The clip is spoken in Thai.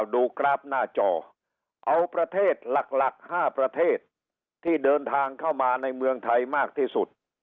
กราฟหน้าจอเอาประเทศหลัก๕ประเทศที่เดินทางเข้ามาในเมืองไทยมากที่สุด